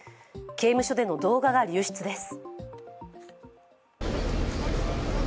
刑務所での動画が流出です。